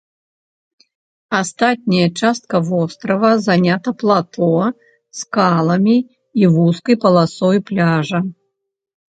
Астатняя частка вострава занята плато, скаламі і вузкай паласой пляжа.